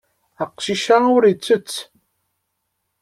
Aqcic-a ur ittett.